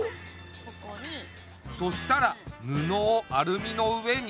そしたらぬのをアルミの上にのせて。